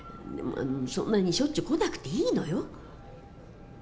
そんなにしょっちゅう来なくていいのよ。